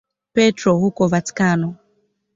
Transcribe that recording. Petro huko Vatikano.